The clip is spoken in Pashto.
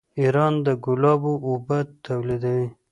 ایران د ګلابو اوبه تولیدوي.